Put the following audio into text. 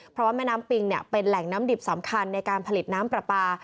เพราะว่าแม่น้ำปิงเป็นแหล่งน้ำดิบสำคัญในการผลิตน้ำปลาปลา